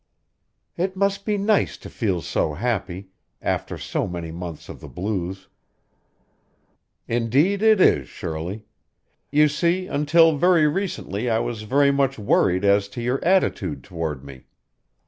"It must be nice to feel so happy, after so many months of the blues." "Indeed it is, Shirley. You see until very recently I was very much worried as to your attitude toward me.